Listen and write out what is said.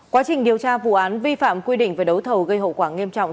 quá trình điều tra vụ án vi phạm quy định về đấu thầu gây hậu quả nghiêm trọng